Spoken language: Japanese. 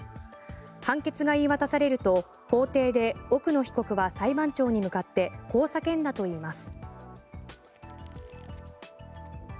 判決が言い渡されると法廷で奥野被告は裁判長に向かってこう叫んだといいます。